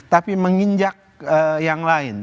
tapi menginjak yang lain